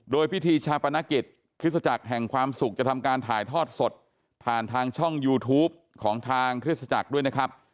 โดยพิธีชาปนกิจคริสตจักรแห่งความสุขจะทำการถ่ายทอดสดผ่านทางช่องยูทูปของทางคริสตจักรด้วยนะครับ